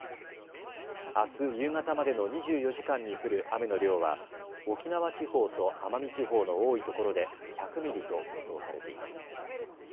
あす夕方までの２４時間に降る雨の量は沖縄地方と奄美地方の多いところで１００ミリと予想されています。